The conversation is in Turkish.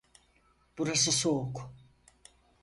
Burası soğuk.